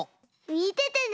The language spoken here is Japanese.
みててね！